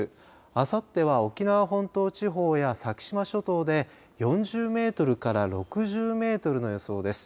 あさっては沖縄本島地方や先島諸島で４０メートルから６０メートルの予想です。